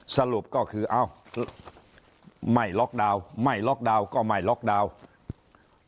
สรุปก็คือเอ้าไม่ล็อกดาวน์ไม่ล็อกดาวน์ก็ไม่ล็อกดาวน์